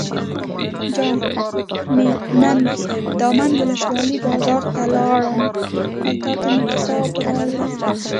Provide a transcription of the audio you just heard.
جان مې نن دامن ولسوالۍ بازار ته لاړم او تاته مې کتاب راوړل.